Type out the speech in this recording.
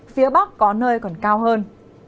phía bắc có nơi còn cao hơn